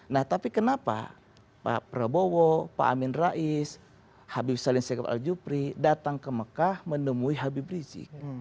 nah tapi kenapa pak prabowo pak amin rais habib salim segaf al jupri datang ke mekah menemui habib rizik